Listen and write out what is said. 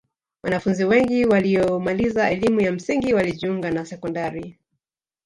wanafunzi wengi waliyomaliza elimu ya msingi walijiunga na sekondari